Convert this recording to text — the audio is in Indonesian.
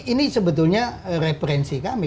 ini sebetulnya referensi kami